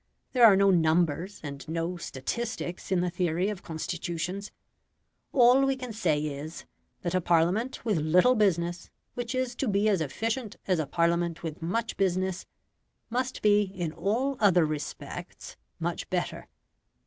There are no numbers and no statistics in the theory of constitutions. All we can say is, that a Parliament with little business, which is to be as efficient as a Parliament with much business, must be in all other respects much better.